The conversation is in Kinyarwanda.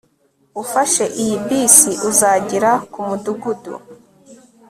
ufashe iyi bisi, uzagera kumudugudu